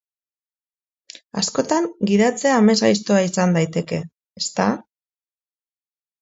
Askotan, gidatzea amesgaiztoa izan daiteke, ezta?